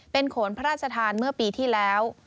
โขนพระราชทานเมื่อปีที่แล้ว